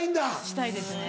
したいですね。